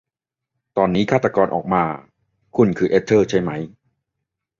ตอนนี้ฆาตกรรมออกมา คุณคือเอสเธอร์ใช่ไหม